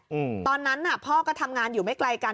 อืมตอนนั้นน่ะพ่อก็ทำงานอยู่ไม่ไกลกัน